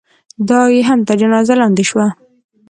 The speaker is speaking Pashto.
دا یې هم تر جنازې لاندې شوه.